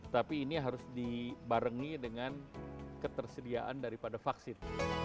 tapi ini harus dibarengi dengan ketersediaan daripada vaksin